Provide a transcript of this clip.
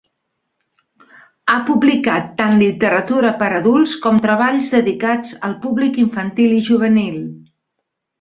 Ha publicat tant literatura per a adults com treballs dedicats al públic infantil i juvenil.